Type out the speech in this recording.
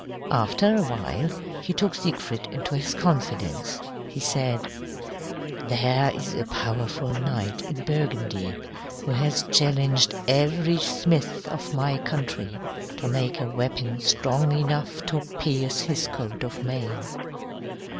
After awhile, he took Siegfried into his confidence. He said: "There is a powerful knight in Burgundy who has challenged every smith of my country to make a weapon strong enough to pierce his coat of mail.